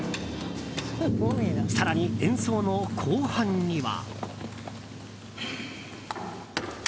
更に演奏の後半には。